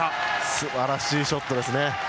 すばらしいショットですね。